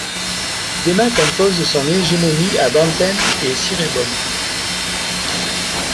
Demak impose son hégémonie à Banten et Cirebon.